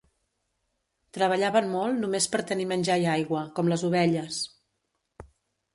Treballaven molt només per tenir menjar i aigua, com les ovelles.